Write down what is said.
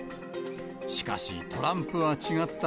しかし、トランプは違った。